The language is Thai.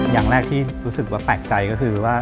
อย่างแรกที่รู้สึกว่าแปลกใจก็คือว่า